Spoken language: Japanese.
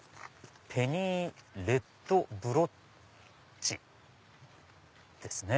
「ペニーレッドブロッチ」ですね。